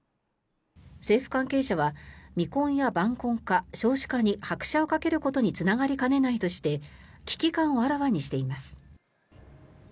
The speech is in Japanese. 政府関係者は未婚や晩婚化、少子化に拍車をかけることにつながりかねないとして危機感をあらわにしています。